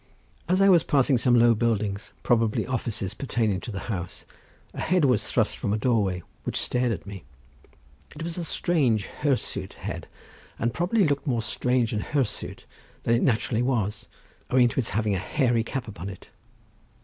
As I was passing some low buildings, probably offices pertaining to the house, a head was thrust from a doorway, which stared at me. It was a strange hirsute head, and probably looked more strange and hirsute than it naturally was, owing to its having a hairy cap upon it.